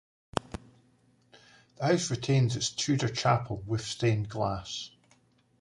The house retains its Tudor chapel, with stained glass.